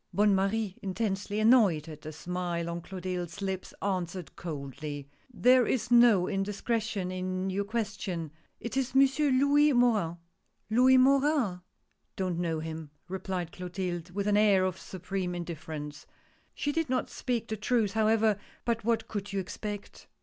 Bonne Marie intensely annoyed at the smile on Clo tilde's lips answered coldly :" There is no indiscretion in your question — it is Monsieur Louis Morin." " Louis Morin ?— Don't know him," replied Clotilde, with an air of supreme indifference. She did not speak the truth, however — but what could you expect?